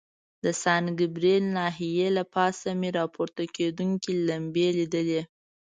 د سان ګبریل ناحیې له پاسه مې را پورته کېدونکي لمبې لیدلې.